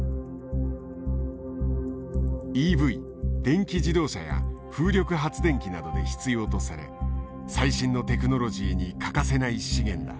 電気自動車や風力発電機などで必要とされ最新のテクノロジーに欠かせない資源だ。